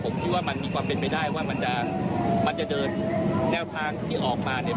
ผมคิดว่ามันมีความเป็นไปได้ว่ามันจะมันจะเดินแนวทางที่ออกมาเนี่ย